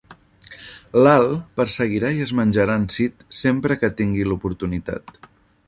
L'Al perseguirà i es menjarà en Sid sempre que tingui l'oportunitat.